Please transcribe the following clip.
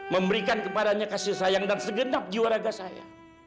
memberikan kepadanya kasih sayang dan segenap jiwa raga saya